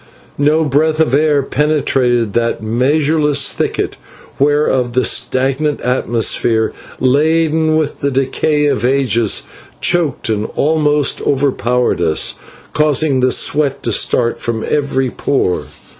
No breath of air penetrated that measureless thicket, whereof the stagnant atmosphere, laden with the decay of ages, choked and almost overpowered us, causing the sweat to start from every pore.